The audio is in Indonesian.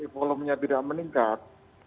volume nya tidak meningkat